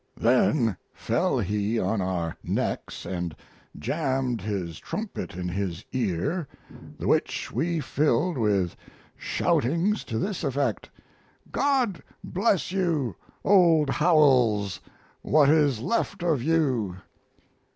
Then fell he on our necks and jammed his trumpet in his ear, the which we filled with shoutings to this effect: "God bless you, old Howells, what is left of you!"